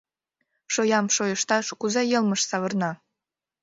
Шоям шойышташ кузе йылмышт савырна!